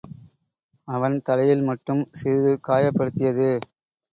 அவன் தலையில் மட்டும் சிறிது காயப்படுத்தியது.